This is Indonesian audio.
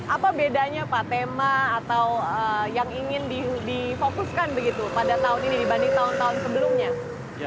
apa bedanya pak tema atau yang ingin difokuskan begitu pada tahun ini dibanding tahun tahun sebelumnya